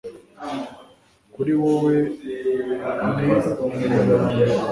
kuri wowe ni numero yambere